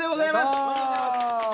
おめでとうございます！